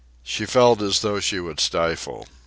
She felt as though she would stifle.